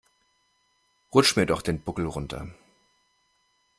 Rutsch mir doch den Buckel runter.